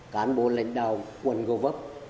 cán bộ lãnh đạo quận gò vấp